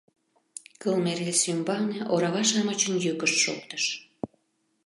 Кылме рельс ӱмбалне орава-шамычын йӱкышт шоктыш.